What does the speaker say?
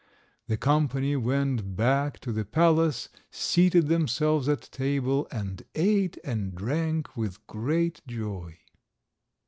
The company went back to the palace, seated themselves at table, and ate and drank with great joy.